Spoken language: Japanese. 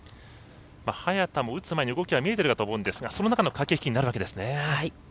早田も打つ前に動きは見えていたと思うんですがその中の駆け引きになるんですね。